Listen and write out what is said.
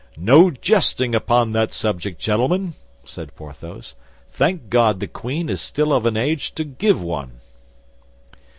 "No jesting upon that subject, gentlemen," said Porthos; "thank God the queen is still of an age to give one!"